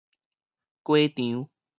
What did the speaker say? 雞場